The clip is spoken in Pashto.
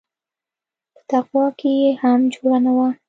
په تقوا کښې يې هم جوړه نه وه.